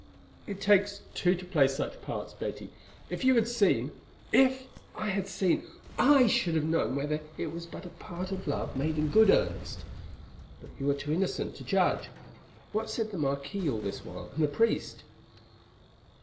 "It takes two to play such parts, Betty. If you had seen——" "If I had seen, I should have known whether it was but a part or love made in good earnest; but you are too innocent to judge. What said the marquis all this while, and the priest?"